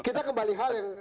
kita kembali hal yang